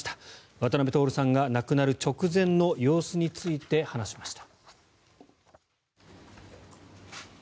渡辺徹さんが亡くなる直前の様子について話しました。